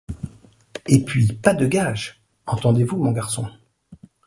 Et puis, pas de gages — entendez-vous, mon garçon